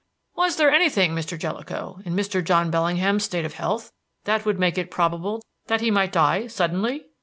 "Was there anything, Mr. Jellicoe, in Mr. John Bellingham's state of health that would make it probable that he might die suddenly?"